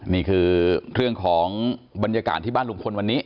นี่คือเรื่องของบรรยากาศที่บ้านลุงพลวันนี้